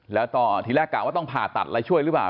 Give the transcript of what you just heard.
แล้วก็ทีแรกกะว่าต้องผ่าตัดอะไรช่วยหรือเปล่า